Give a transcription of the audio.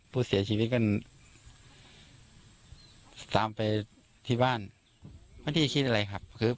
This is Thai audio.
ผู้เสียชีวิตก็ตามไปที่บ้านไม่ได้คิดอะไรครับ